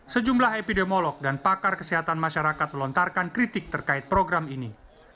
sejumlah epidemiolog dan pakar kesehatan masyarakat melontarkan kritik terkait program ini